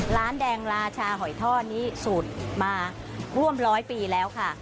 ร้านแดงราชาหอยท่อนี้สูตรมาร่วมร้อยปีแล้วค่ะ